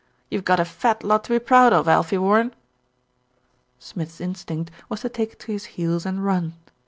You've got a fat lot to be proud of, Alfie Warren." Smith's instinct was to take to his heels and run.